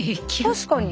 確かに。